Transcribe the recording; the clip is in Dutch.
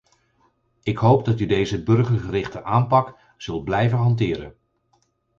Ik hoop dat u deze burgergerichte aanpak zult blijven hanteren.